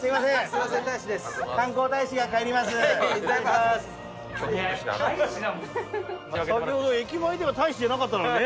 先ほど駅前では大使じゃなかったのにね。